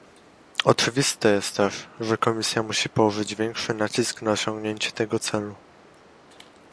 Oczywiste jest też, że Komisja musi położyć większy nacisk na osiągnięcie tego celu